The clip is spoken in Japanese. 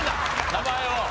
名前を。